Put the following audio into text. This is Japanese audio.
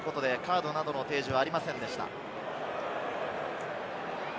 カードの提示はありませんでした。